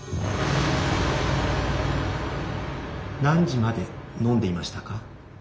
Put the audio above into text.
何時まで飲んでいましたか？